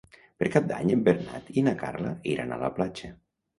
Per Cap d'Any en Bernat i na Carla iran a la platja.